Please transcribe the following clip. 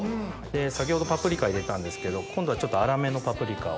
先ほどパプリカ入れたんですけど今度はちょっと粗めのパプリカを。